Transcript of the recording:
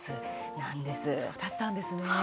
そうだったんですね。